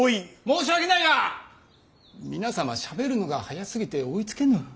申し訳ないが皆様しゃべるのが速すぎて追いつけぬ。